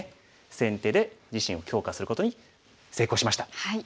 先手で自身を強化することに成功しました。